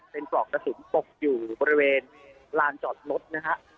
เป็นปลอกกระสุนตกอยู่บริเวณลานจอดรถนะฮะ